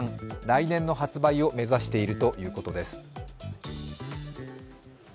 来年の発売を目指しているということです。